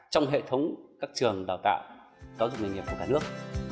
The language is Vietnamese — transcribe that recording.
trong hệ thống các trường đào tạo giáo dục nghề nghiệp của cả nước